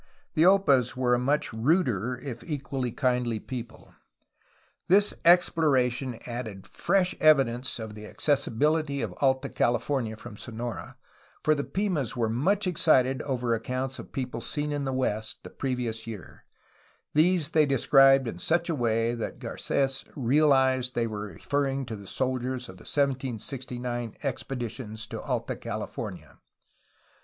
The Opas were a much ruder, if equally kindly people. This exploration added fresh evidence of the accessi bility of Alta California from Sonora, for the Pimas were much excited over accounts of people seen in the west, the previous year; these they described in such a way that Garc^s realized they were referring to the soldiers of the 1769 expeditions to Alta California.